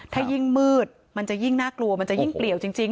ถ้ายิ่งมืดมันจะยิ่งน่ากลัวมันจะยิ่งเปลี่ยวจริง